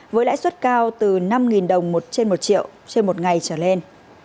với lãi suất cao từ năm đồng một trên một triệu trên một ngày trở lên